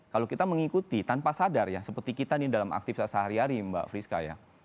kalau kita mengikuti tanpa sadar ya seperti kita nih dalam aktivitas sehari hari mbak friska ya